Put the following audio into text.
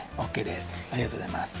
ありがとうございます。